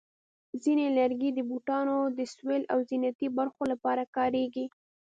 ځینې لرګي د بوټانو د سول او زینتي برخو لپاره کارېږي.